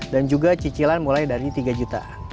dan juga cicilan mulai dari tiga juta